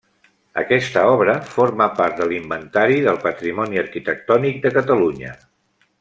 Aquesta obra forma part de l'Inventari del Patrimoni Arquitectònic de Catalunya.